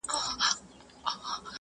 د زده کوونکو ناسته باید هوسا وي.